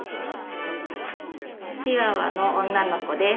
チワワの女の子です。